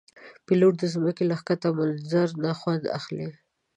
پیلوټ د ځمکې له ښکته منظر نه خوند اخلي.